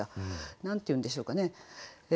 何て言うんでしょうかね